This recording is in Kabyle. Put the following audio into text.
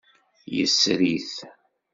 Yesri-t.